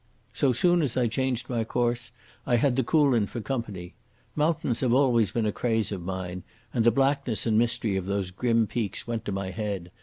So soon as I changed my course I had the Coolin for company. Mountains have always been a craze of mine, and the blackness and mystery of those grim peaks went to my head.